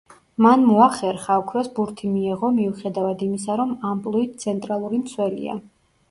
მან მოახერხა, ოქროს ბურთი მიეღო მიუხედავად იმისა, რომ ამპლუით ცენტრალური მცველია.